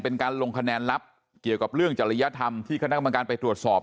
เป็นการลงคะแนนลับเกี่ยวกับเรื่องจริยธรรมที่คณะกรรมการไปตรวจสอบ